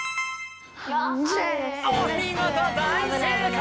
お見事大正解！